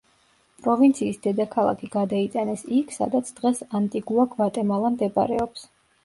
პროვინციის დედაქალაქი გადაიტანეს იქ, სადაც დღეს ანტიგუა-გვატემალა მდებარეობს.